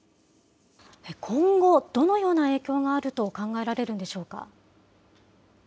今後、どのような影響があると考えられるんでしょうか。